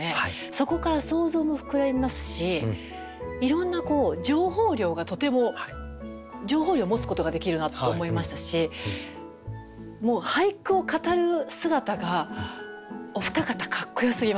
そこから想像も膨らみますしいろんな情報量がとても情報量を持つことができるなと思いましたしもう俳句を語る姿がお二方かっこよすぎます。